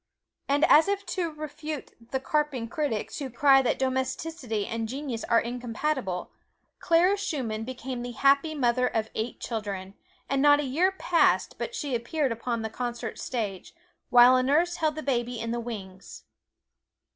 And as if to refute the carping critics who cry that domesticity and genius are incompatible, Clara Schumann became the happy mother of eight children, and not a year passed but she appeared upon the concert stage, while a nurse held the baby in the wings.